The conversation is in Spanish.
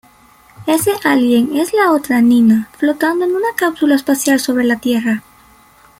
Ese alguien es la otra Nina, flotando en una cápsula espacial sobre la Tierra.